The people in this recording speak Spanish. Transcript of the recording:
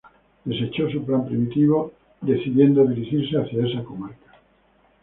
Desechó su plan primitivo, decidiendo dirigirse hacia esa comarca.